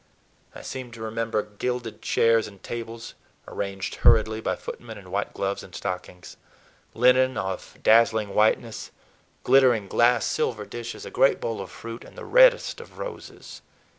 I seem to remember gilded chairs and tables (arranged hurriedly by footmen in white gloves and stockings), linen of dazzling whiteness, glittering glass, silver dishes, a great bowl of fruit, and the reddest of roses.